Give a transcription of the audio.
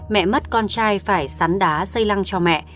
mẹ mất con trai phải sắn đá xây lăng cho mẹ